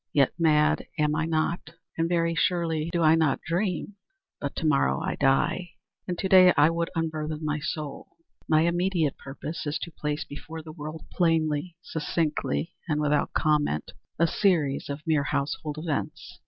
Yet, mad am I not—and very surely do I not dream. But to morrow I die, and to day I would unburthen my soul. My immediate purpose is to place before the world, plainly, succinctly, and without comment, a series of mere household events.